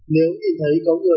nếu nhìn thấy có người